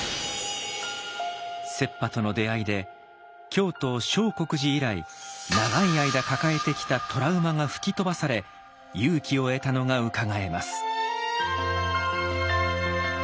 浙派との出会いで京都相国寺以来長い間抱えてきたトラウマが吹き飛ばされ勇気を得たのがうかがえます。